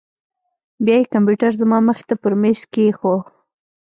بيا يې کمپيوټر زما مخې ته پر ميز کښېښوو.